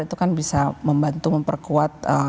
itu kan bisa membantu memperkuat